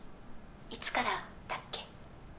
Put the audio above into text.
いつからだっけ？